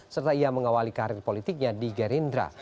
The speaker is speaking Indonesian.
serta ia mengawali karir politiknya di gerindra